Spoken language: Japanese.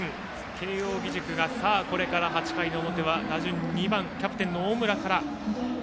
慶応義塾が、これから８回の表は打順２番、キャプテンの大村から。